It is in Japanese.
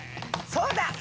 そうだ！